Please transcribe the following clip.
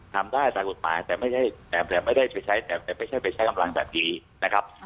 ทำได้ตามกฎหมายแต่ไม่ได้ไปใช้แต่ไม่ใช่ไปใช้กำลังแบบนี้นะครับ